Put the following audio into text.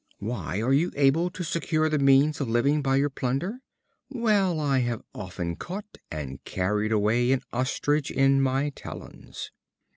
"Why, are you able to secure the means of living by your plunder?" "Well, I have often caught and carried away an ostrich in my talons."